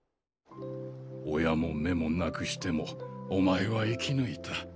親も目もなくしてもお前は生き抜いた。